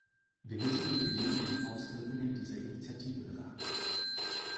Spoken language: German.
Wir müssen über die möglichen Auswirkungen dieser Initiative beraten.